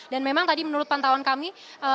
dan memang tadi menurut pantauan kami